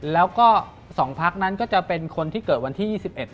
แล้วก็๒พักนั้นก็จะเป็นคนที่เกิดวันที่๒๑